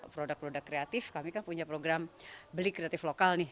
produk produk kreatif kami kan punya program beli kreatif lokal nih